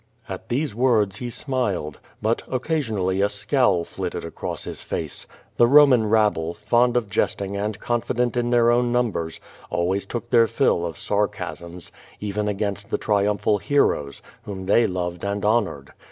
At these words he smiled. But occasionally a scowl flitted across his face. The Roman rabble, fond of jesting and con fident in their own numbers, always took their fill of sarcasms, even against the triumphal heroes, whom they loved and hon ored.